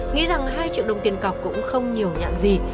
nghĩ rằng hai triệu đồng tiền cọc cũng không nhiều nhãn gì